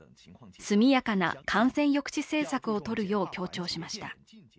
速やかな感染抑止政策をとるよう強調しました。